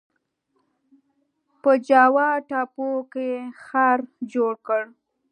په جاوا ټاپو کې ښار جوړ کړ.